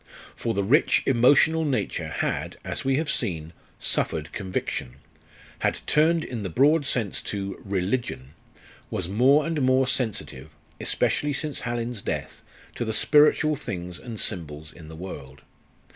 For the rich, emotional nature had, as we have seen, "suffered conviction," had turned in the broad sense to "religion," was more and more sensitive, especially since Hallin's death, to the spiritual things and symbols in the world.